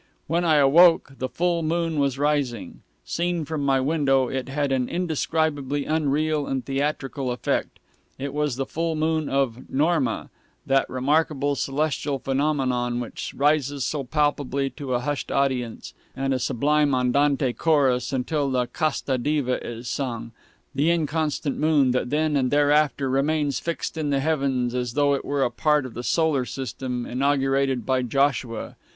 When I awoke the full moon was rising. Seen from my window, it had an indescribably unreal and theatrical effect. It was the full moon of NORMA that remarkable celestial phenomenon which rises so palpably to a hushed audience and a sublime andante chorus, until the CASTA DIVA is sung the "inconstant moon" that then and thereafter remains fixed in the heavens as though it were a part of the solar system inaugurated by Joshua.